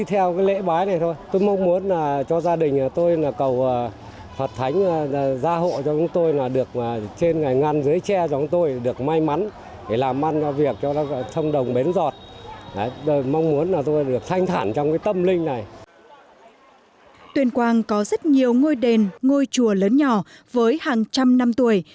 tuyên quang có rất nhiều ngôi đền ngôi chùa lớn nhỏ với hàng trăm năm tuổi